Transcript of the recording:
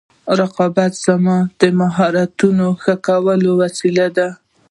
رقیب زما د مهارتونو د ښه کولو وسیله ده